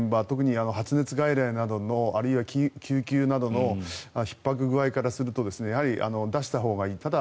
特に発熱外来などのあるいは救急などのひっ迫具合からするとやはり出したほうがいい。